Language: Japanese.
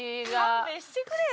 勘弁してくれや。